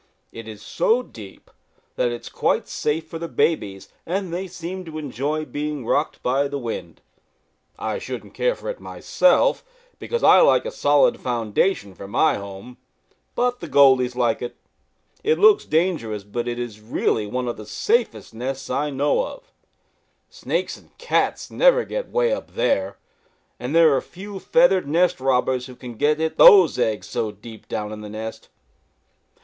It is so deep that it is quite safe for the babies, and they seem to enjoy being rocked by the wind. I shouldn't care for it myself because I like a solid foundation for my home, but the Goldies like it. It looks dangerous but it really is one of the safest nests I know of. Snakes and cats never get 'way up there and there are few feathered nest robbers who can get at those eggs so deep down in the nest.